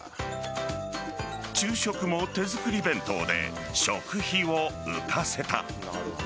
昼食も手作り弁当で食費を浮かせた。